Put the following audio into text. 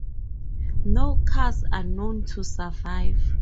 No cars are known to survive.